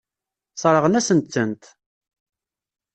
Sseṛɣen-asent-tent.